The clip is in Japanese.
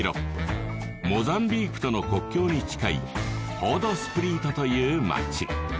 モザンビークとの国境に近いホードスプリートという町